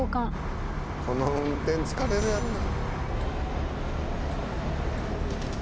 この運転疲れるやろな。